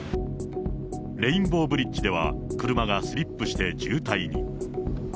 レインボーブリッジでは車がスリップして渋滞に。